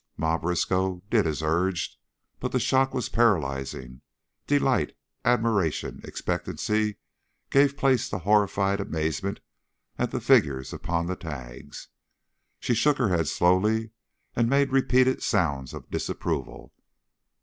Ma Briskow did as urged, but the shock was paralyzing; delight, admiration, expectancy, gave place to horrified amazement at the figures upon the tags. She shook her head slowly and made repeated sounds of disapproval.